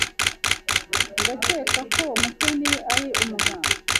Ndakeka ko Mutoni ari umuganga.